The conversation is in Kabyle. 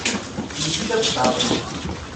Yečča abbaɣ-iw.